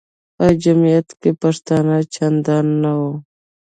په جمیعت کې پښتانه چندان نه وو.